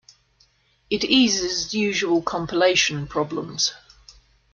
It eases usual compilation problems.